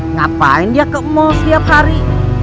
ngapain dia ke mall setiap hari